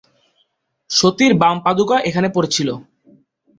সতীর বাম পাদুকা এখানে পড়েছিল।